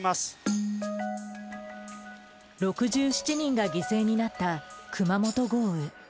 ６７人が犠牲になった熊本豪雨。